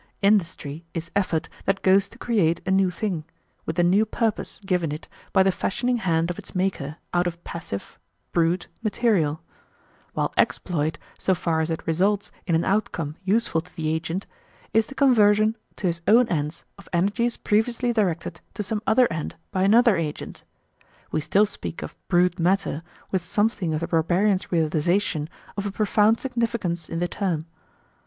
Industry is effort that goes to create a new thing, with a new purpose given it by the fashioning hand of its maker out of passive ("brute") material; while exploit, so far as it results in an outcome useful to the agent, is the conversion to his own ends of energies previously directed to some other end by an other agent. We still speak of "brute matter" with something of the barbarian's realisation of a profound significance in the term.